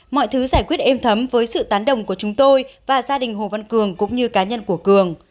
mọi thứ giải quyết êm thấm với sự tán đồng của chúng tôi và gia đình hồ văn cường cũng như cá nhân của cường